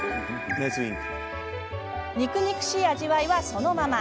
肉肉しい味わいは、そのまま。